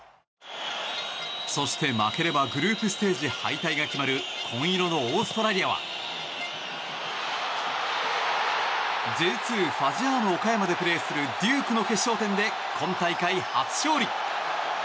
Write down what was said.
そして、負ければグループステージ敗退が決まる紺色のオーストラリアはＪ２ファジアーノ岡山でプレーするデュークの決勝点で今大会初勝利。